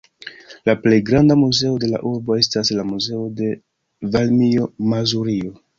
La plej granda muzeo de la urbo estas la "Muzeo de Varmio-Mazurio".